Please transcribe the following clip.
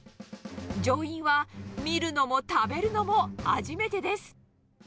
乗員は見るのも食べるのも初めてです。